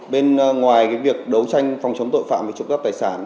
bên ngoài việc đấu tranh phòng chống tội phạm và trộm cắp tài sản